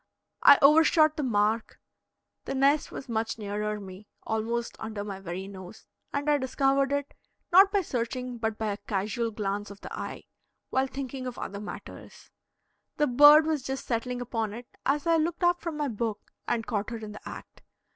I overshot the mark; the nest was much nearer me, almost under my very nose, and I discovered it, not by searching but by a casual glance of the eye, while thinking of other matters. The bird was just settling upon it as I looked up from my book and caught her in the act.